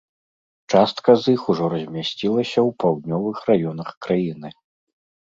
Частка з іх ужо размясцілася ў паўднёвых раёнах краіны.